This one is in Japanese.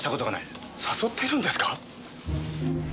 誘ってるんですか？